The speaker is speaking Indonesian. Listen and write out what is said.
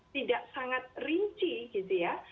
tidak sangat rinci gitu ya